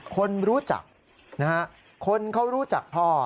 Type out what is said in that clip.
คนรู้จักนะฮะคนเขารู้จักพ่อ